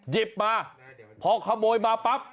หยิบมาพอขโมยมาปั๊บ